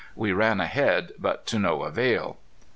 We ran ahead, but to no avail.